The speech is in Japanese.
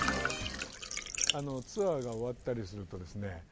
ツアーが終わったりするとですね